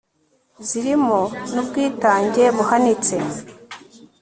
zirimo n'ubwitange buhanitse